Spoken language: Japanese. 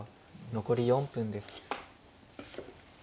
残り４分です。